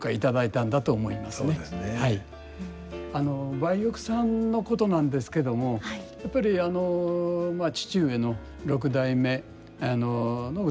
梅玉さんのことなんですけどもやっぱり父上の六代目の歌右衛門さんの薫陶